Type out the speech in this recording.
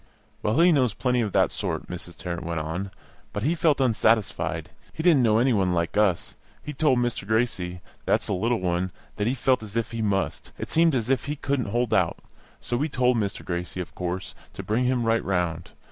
"Well, he knows plenty of that sort," Mrs. Tarrant went on, "but he felt unsatisfied; he didn't know any one like us. He told Mr. Gracie (that's the little one) that he felt as if he must; it seemed as if he couldn't hold out. So we told Mr. Gracie, of course, to bring him right round.